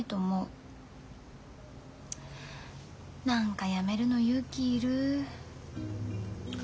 何か辞めるの勇気いる。